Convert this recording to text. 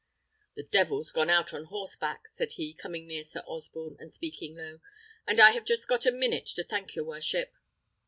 "The devil's gone out on horseback," said he, coming near Sir Osborne, and speaking low, "and I have just got a minute to thank your worship."